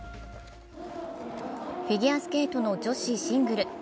フィギュアスケートの女子シングル。